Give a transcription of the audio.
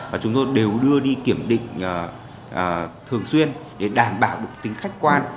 và chúng tôi đều đưa đi kiểm định thường xuyên để đảm bảo được tính khách quan